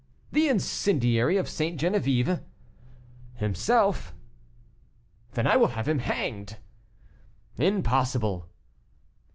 "The incendiary of St. Geneviève?" "Himself!" "Then I will have him hanged!" "Impossible!"